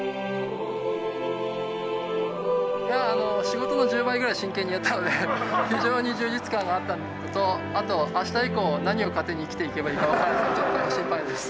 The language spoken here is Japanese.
仕事の１０倍ぐらい真剣にやったので非常に充実感があったのとあと明日以降何を糧に生きていけばいいか分からない状態で心配です。